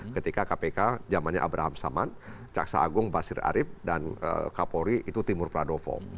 ketika kpk zamannya abraham saman jaksa agung basir arief dan kapolri itu timur pradopo